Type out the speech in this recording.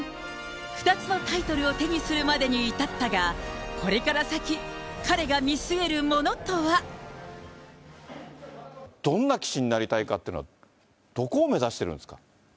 ２つのタイトルを手にするまでに至ったが、これから先、どんな棋士になりたいかっていうのは、どこを目指してるんですか。